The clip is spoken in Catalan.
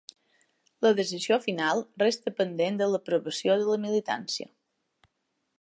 La decisió final resta pendent de l’aprovació de la militància.